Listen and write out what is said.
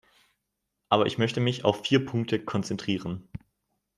Aber ich möchte mich auf vier Punkte konzentrieren.